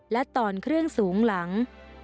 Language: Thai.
และตอนเครื่องสูงหลัง